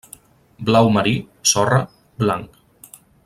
Blau marí, sorra, blanc.